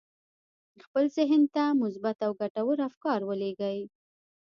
خپل ذهن ته مثبت او ګټور افکار ولېږئ